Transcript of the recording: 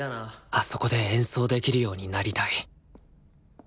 あそこで演奏できるようになりたい。